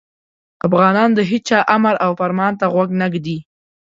افغانان د هیچا امر او فرمان ته غوږ نه ږدي.